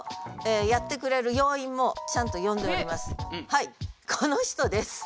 はいこの人です。